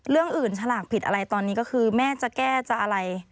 เรื่องอื่นฉลากผิดอะไรตอนนี้ก็คือแม่จะแก้จะอะไร